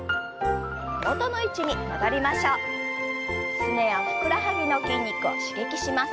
すねやふくらはぎの筋肉を刺激します。